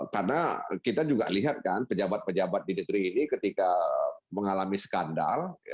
karena kita juga lihat kan pejabat pejabat di negeri ini ketika mengalami skandal